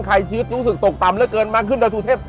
ชีวิตรู้สึกตกต่ำเหลือเกินมากขึ้นดอยสุเทพ